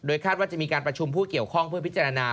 คาดว่าจะมีการประชุมผู้เกี่ยวข้องเพื่อพิจารณา